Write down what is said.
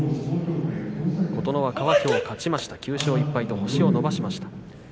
琴ノ若はきょう勝ちました９勝１敗と星を伸ばしました。